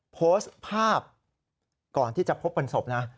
โพสต์ภาพก่อนที่จะพบบนโซฟนะ